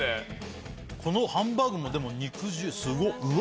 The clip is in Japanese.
このハンバーグもでも肉汁すごっうわ